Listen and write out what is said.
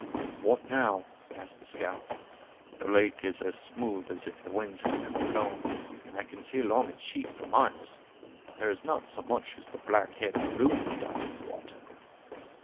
"What now?" asked the scout; "the lake is as smooth as if the winds had never blown, and I can see along its sheet for miles; there is not so much as the black head of a loon dotting the water."